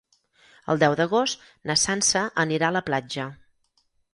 El deu d'agost na Sança anirà a la platja.